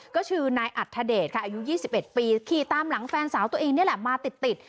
ก็คือนายอัธเดชค่ะอายุ๒๑ปีขี่ตามหลังแฟนสาวตัวเองนี่แหละมาติด